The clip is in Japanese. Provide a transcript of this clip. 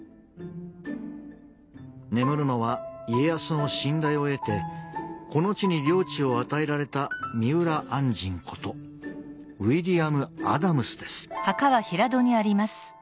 眠るのは家康の信頼を得てこの地に領地を与えられた三浦按針ことウィリアム・アダムスです。